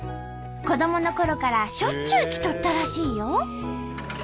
子どものころからしょっちゅう来とったらしいよ。